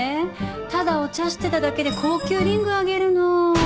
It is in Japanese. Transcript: ただお茶してただけで高級リングあげるの。